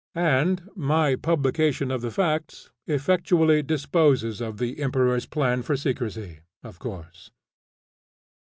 And my publication of the facts effectually disposes of the Emperor's plan of secrecy, of course.